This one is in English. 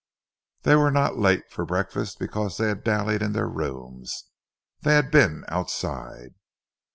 They were not late for breakfast because they had dallied in their rooms; they had been outside.